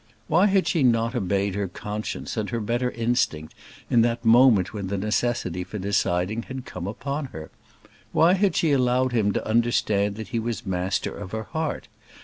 Why had she not obeyed her conscience and her better instinct in that moment when the necessity for deciding had come upon her? Why had she allowed him to understand that he was master of her heart?